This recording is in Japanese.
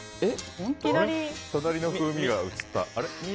隣の風味が移った。